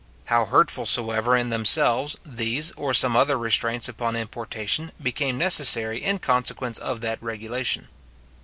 How hurtful soever in themselves, these, or some other restraints upon importation, became necessary in consequence of that regulation.